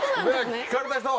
聞かれた人は。